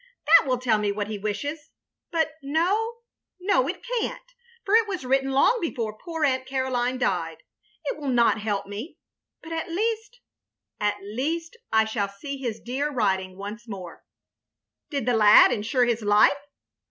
That will tell me what he wishes — ^but no — ^no — it can't, for it was written long before poor Aunt Caroline died. It will not help me — ^but at least, at least, I shall see his dear writing once more. '' "Did the lad insure his life?"